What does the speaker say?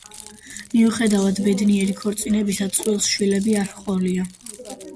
მიუხედავად ბედნიერი ქორწინებისა, წყვილს შვილები არ ჰყოლია.